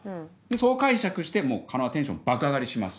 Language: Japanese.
そう解釈してもう狩野はテンション爆上がりします。